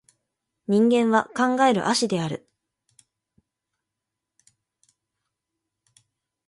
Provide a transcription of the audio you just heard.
人間は考える葦である